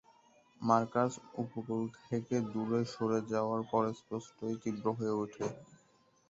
Marcus উপকূল থেকে দূরে সরে যাওয়ার পরে স্পষ্টতই তীব্র হয়ে ওঠে।